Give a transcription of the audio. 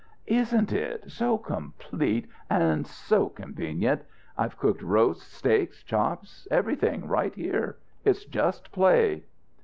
"Isn't it? So complete and so convenient. I've cooked roasts, steaks, chops, everything, right here. It's just play."